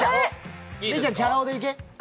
礼ちゃん、チャラ男でいけ。